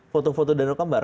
foto foto danang kembar